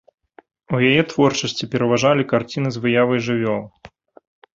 У яе творчасці пераважалі карціны з выявай жывёл.